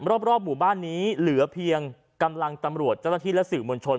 รอบหมู่บ้านนี้เหลือเพียงกำลังตำรวจเจ้าหน้าที่และสื่อมวลชน